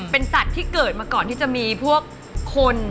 เป็นสัตว์ที่เกิดมาก่อนที่จะมีพวกคน